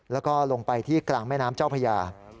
แล้วก็ลงไปที่กลางแม่น้ำเจ้าพญา